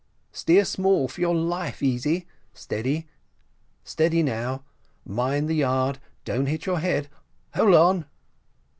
Steer small, for your life, Easy. Steady now mind the yard don't hit your head hold on."